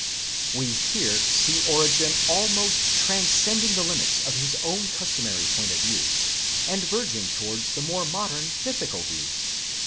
We here see Origen almost transcending the limits of his own customary point of view, and verging towards the more modern mythical view.